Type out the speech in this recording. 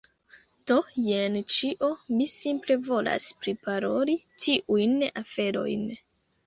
Do, jen ĉio, mi simple volas priparoli tiujn aferojn.